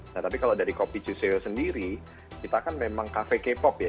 nah tapi kalau dari kopi cuseo sendiri kita kan memang kafe k pop ya